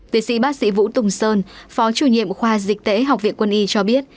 tiến sĩ bác sĩ vũ tùng sơn phó chủ nhiệm khoa dịch tễ học viện quân y cho biết